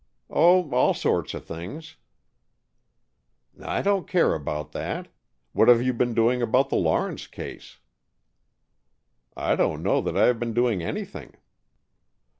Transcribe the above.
"Oh, all sorts of things." "I don't care about that. What have you been doing about the Lawrence case?" "I don't know that I have been doing anything."